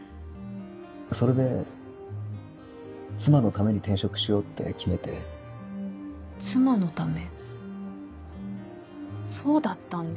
それで妻のために転職しようって決めて「妻のため」